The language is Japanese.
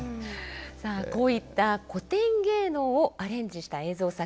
さあこういった古典芸能をアレンジした映像作品